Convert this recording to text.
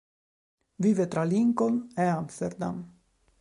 Vive tra Lincoln e Amsterdam.